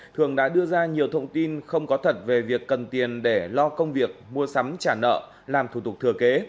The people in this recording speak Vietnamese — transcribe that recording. thường đã đưa ra nhiều thông tin không có thật về việc cần tiền để lo công việc mua sắm trả nợ làm thủ tục thừa kế